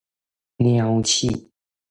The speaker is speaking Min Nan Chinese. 鳥鼠